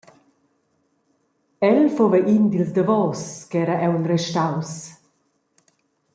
El fuva in dils davos che era aunc restaus.